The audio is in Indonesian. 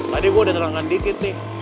tadi gue udah nerangkan dikit nih